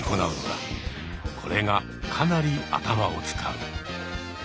これがかなり頭を使う。